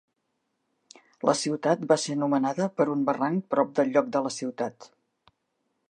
La ciutat va ser nomenada per un barranc prop del lloc de la ciutat.